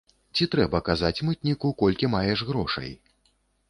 Ці трэба казаць мытніку, колькі маеш грошай?